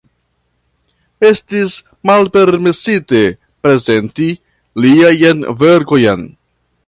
Estis malpermesite prezenti liajn verkojn.